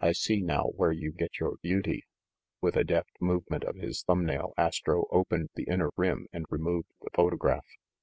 I see now where you get your beauty." With a deft movement of his thumb nail, Astro opened the inner rim and re moved the photograph.